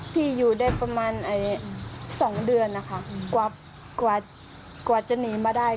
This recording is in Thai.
พี่อยู่ได้ประมาณ๒เดือนนะคะกว่าจะหนีมาได้